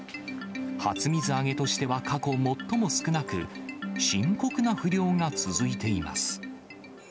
初水揚げとしては過去最も少なく、深刻な不漁が続いています。